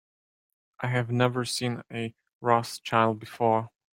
I have never seen a Rothschild before.